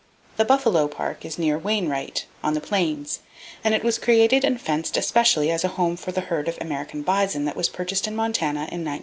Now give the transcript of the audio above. The Buffalo Park is near Wainwright, on the plains, [Page 353] and it was created and fenced especially as a home for the herd of American bison that was purchased in Montana in 1909.